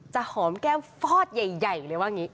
จะหอมแก้วฟอสใหญ่เลยว่างี้